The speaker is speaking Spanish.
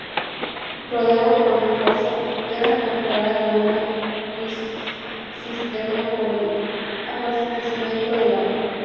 Rodeada por un foso, era dotada de una cisterna por el abastecimiento del agua.